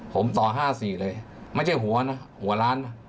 ผมต่อ๕๔เลยไม่ใช่หัวนะหัวล้านนะ